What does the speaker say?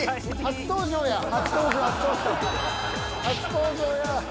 初登場や！